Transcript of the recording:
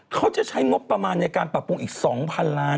เขาจะใช้งบประมาณในการปรับปรุงอีก๒๐๐๐ล้านนะครับ